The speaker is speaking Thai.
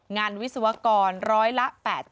งานวิศวกรร้อยละ๘๑๖